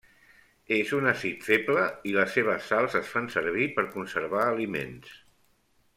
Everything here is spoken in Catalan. És un àcid feble i les seves sals es fan servir per conservar aliments.